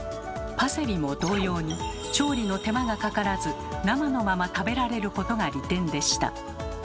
パセリも同様に調理の手間がかからず生のまま食べられることが利点でした。